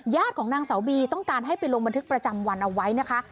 ของนางสาวบีต้องการให้ไปลงบันทึกประจำวันเอาไว้นะคะ